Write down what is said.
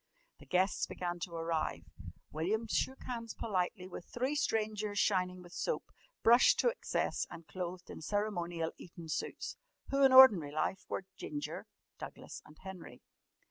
The guests began to arrive. William shook hands politely with three strangers shining with soap, brushed to excess, and clothed in ceremonial Eton suits who in ordinary life were Ginger, Douglas, and Henry.